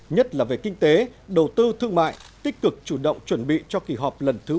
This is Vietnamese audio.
nhất là về kinh tế đầu tư thương mại tích cực chủ động chuẩn bị cho kỳ họp lần thứ một mươi ba